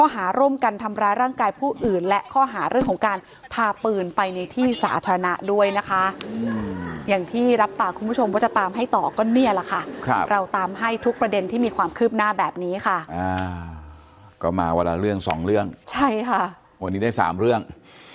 ทำร้ายร่างกายผู้อื่นและข้อหาเรื่องของการพาปืนไปในที่สาธารณะด้วยนะคะอย่างที่รับปากคุณผู้ชมว่าจะตามให้ต่อก็เนี่ยแหละค่ะเราตามให้ทุกประเด็นที่มีความคืบหน้าแบบนี้ค่ะก็มาวันละเรื่องสองเรื่องใช่ค่ะวันนี้ได้๓เรื่อง